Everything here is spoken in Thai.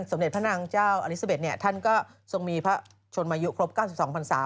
สมเด็จพระนางเจ้าอลิซาเบศเนี่ยท่านก็ทรงมีพระชนมายุครบ๙๒ภาษา